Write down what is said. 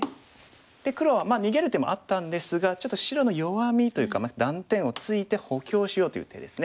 で黒は逃げる手もあったんですがちょっと白の弱みというか断点をついて補強しようという手ですね。